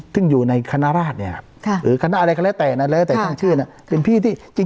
ซึ่งอยู่ในคณราชหรืออะไรต่างกันอะไรต่างกันทั้งชื่อ